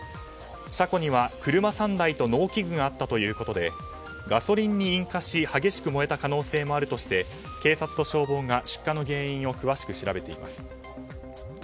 車庫には車３台と農機具があったということでガソリンに引火し激しく燃えた可能性もあるとして警察と消防が出火の原因を詳しく調べています。